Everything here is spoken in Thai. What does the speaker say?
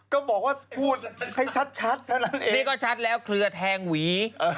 ก็ถูกแล้วไง